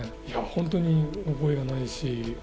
本当に覚えがないし。